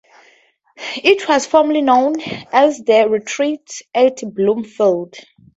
It was formerly known as "The Retreat at Bloomfield".